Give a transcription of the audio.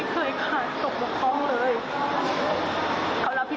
กับรับโทษรับอะไรอย่างไร